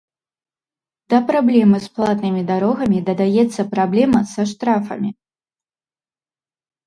Да праблемы з платнымі дарогамі дадаецца праблема са штрафамі.